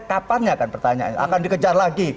kapannya akan pertanyaan akan dikejar lagi